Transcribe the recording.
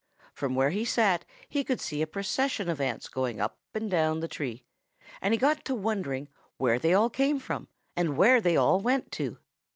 From where he sat he could see a procession of ants going up and down the tree, and he got to wondering where they all came from and where they all went to.